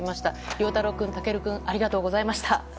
凌太郎君、尊君ありがとうございました。